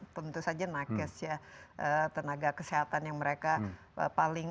tentu saja nakes ya tenaga kesehatan yang mereka paling